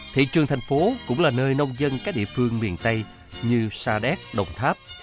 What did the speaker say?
thị trường thành phố cũng là nơi nông dân các địa phương miền tây như sa đéc đồng tháp